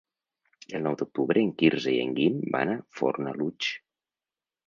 El nou d'octubre en Quirze i en Guim van a Fornalutx.